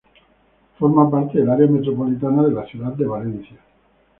Forma parte del Área Metropolitana de la ciudad de Valencia.